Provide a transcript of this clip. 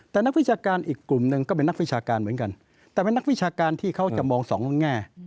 แต่นักวิชาการอีกกลุ่มหนึ่งก็เป็นนักวิชาการเหมือนกันแต่เป็นนักวิชาการที่เขาจะมองสองแง่